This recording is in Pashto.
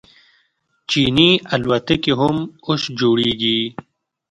چیني الوتکې هم اوس جوړیږي.